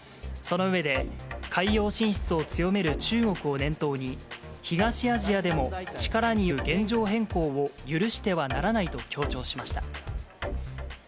その上で、海洋進出を強める中国を念頭に、東アジアでも力による現状変更を許してはならないと強調しました。